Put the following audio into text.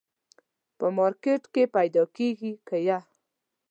په مارکېټ کي پیدا کېږي که یه ؟